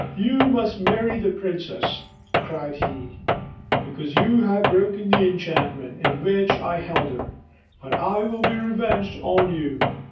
"You must marry the princess," cried he, "because you have broken the enchantment in which I held her; but I will be revenged on you.